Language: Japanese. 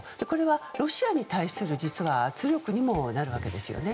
これはロシアに対する実は圧力にもなるわけです。